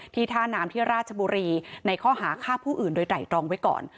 ท่าน้ำที่ราชบุรีในข้อหาฆ่าผู้อื่นโดยไตรรองไว้ก่อน